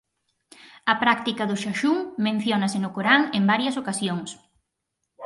A práctica do xaxún menciónase no Corán en varias ocasións.